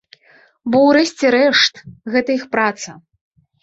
Бо, урэшце рэшт, гэта іх праца.